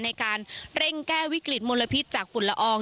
ในการเร่งแก้วิกฤตมลพิษจากฝุ่นละออง